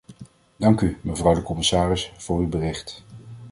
Dank u, mevrouw de commissaris, voor uw bericht.